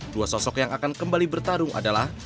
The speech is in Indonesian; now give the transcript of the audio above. dua sosok yang akan kembali bertarung adalah